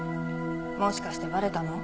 もしかしてバレたの？